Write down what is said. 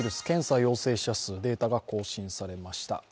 検査陽性者数、データが更新されました。